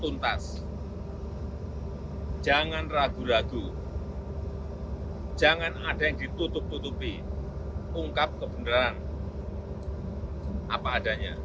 tuntas jangan ragu ragu jangan ada yang ditutup tutupi ungkap kebenaran apa adanya